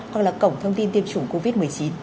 hoặc là cổng thông tin tiêm chủng covid một mươi chín